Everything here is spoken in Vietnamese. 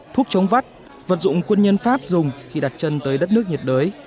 thuốc chống vắt vật dụng quân nhân pháp dùng khi đặt chân tới đất nước nhiệt đới